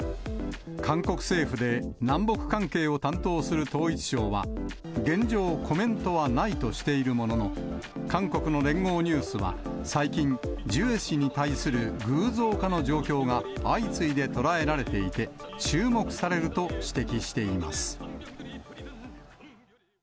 韓国政府で南北関係を担当する統一省は、現状コメントはないとしているものの、韓国の聯合ニュースは、最近、ジュエ氏に対する偶像化の状況が相次いで捉えられていて、注目されると指摘しています。